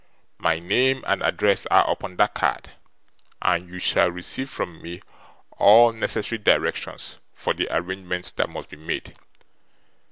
My name and address are upon that card, and you shall receive from me all necessary directions for the arrangements that must be made.